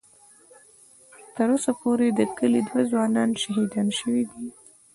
ـ تر اوسه پورې د کلي دوه ځوانان شهیدان شوي دي.